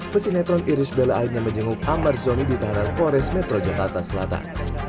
pesinetron iris bela aina menjenguk amar zoni di tahanan pores metro jakarta selatan